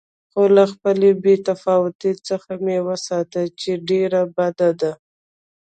خو له خپلې بې تفاوتۍ څخه مې وساته چې ډېره بده ده.